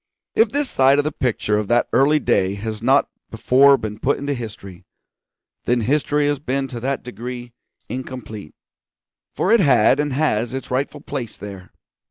If this side of the picture of that early day has not before been put into history, then history has been to that degree incomplete, for it had and has its rightful place there.